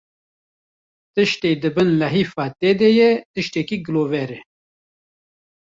tiştê di bin lihêfa te de ye tiştekî gilover e